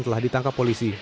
telah ditangkap polisi